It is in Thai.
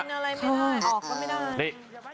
อะไรไม่ได้ออกก็ไม่ได้